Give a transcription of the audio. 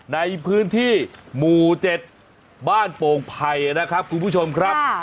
ในพื้นที่หมู่๗บ้านโป่งไผ่นะครับคุณผู้ชมครับ